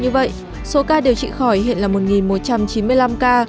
như vậy số ca điều trị khỏi hiện là một một trăm chín mươi năm ca